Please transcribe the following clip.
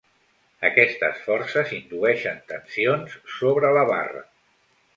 Aquestes forces indueixen tensions sobre la barra.